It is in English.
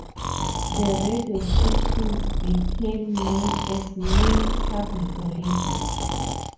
The radio stations became known as "Maine Public Radio".